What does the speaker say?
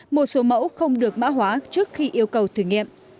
một số mẫu không được mã hóa trước khi yêu cầu thử nghiệm